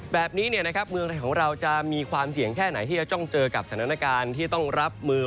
แบบนี้เมืองไทยของเราจะมีความเสี่ยงแค่ไหนที่จะต้องเจอกับสถานการณ์ที่ต้องรับมือ